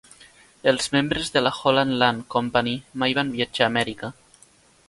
Els membres de la Holland Land Company mai van viatjar a Amèrica.